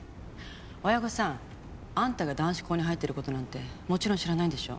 親御さんあんたが男子校に入ってることなんてもちろん知らないんでしょ？